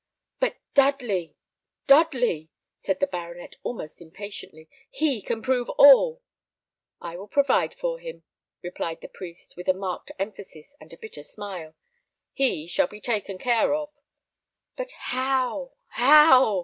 "But Dudley, Dudley!" said the baronet, almost impatiently; "he can prove all." "I will provide for him," replied the priest, with a marked emphasis and a bitter smile. "He shall be taken care of." "But how, how?"